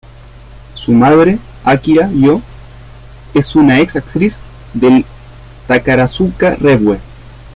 Su madre, Akira Yo, es una ex-actriz del Takarazuka Revue.